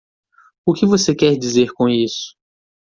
O que você quer dizer com isso?